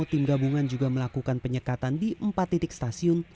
tim gabungan juga melakukan penyekatan di empat titik stasiun